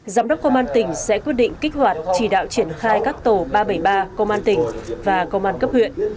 giám đốc công an tỉnh sẽ quyết định kích hoạt chỉ đạo triển khai các tổ ba trăm bảy mươi ba công an tỉnh và công an cấp huyện